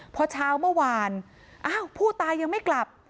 พอเช้าเมื่อวานอ้าวผู้ตายยังไม่กลับ